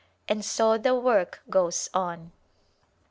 And so the work goes on.